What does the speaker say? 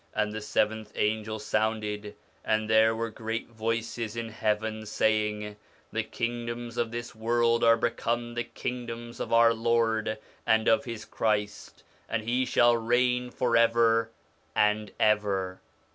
'And the seventh angel sounded; and there were great voices in heaven, saying, The kingdoms of this world are become the kingdoms of our Lord, and of His Christ ; and He shall reign for ever and ever.'